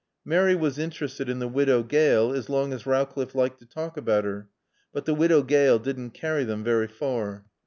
Mary was interested in the Widow Gale as long as Rowcliffe liked to talk about her. But the Widow Gale didn't carry them very far.